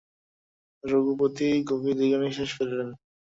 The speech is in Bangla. রঘুপতি গভীর দীর্ঘনিশ্বাস ফেলিলেন।